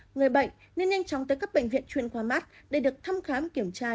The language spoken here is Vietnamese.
người bệnh nên nhanh chóng tới các bệnh viện chuyên khoa mắt để được thăm khám kiểm tra